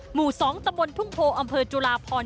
หมู่๒ตะบนทุ่งโพอำเภอจุลาพร